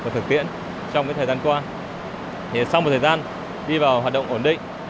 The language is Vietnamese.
thì sau một thời gian đi vào hoạt động ổn định